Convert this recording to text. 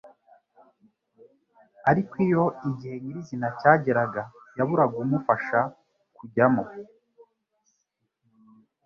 Ariko iyo igihe nyirizina cyageraga, yaburaga umufasha kujyamo